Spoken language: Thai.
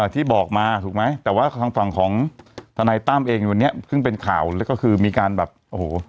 ที่บอกมาถูกไหมแต่ว่าทางฝั่งของทนายตั้มเองวันนี้เพิ่งเป็นข่าวแล้วก็คือมีการแบบโอ้โห